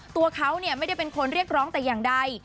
ตัวเขาไม่ได้เป็นคนเรียกร้องแต่อย่างใด